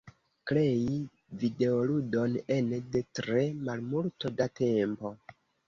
Krei videoludon ene de tre malmulto da tempo.